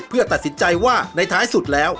เพื่อตัดสินใจว่าในท้ายสุดแล้ว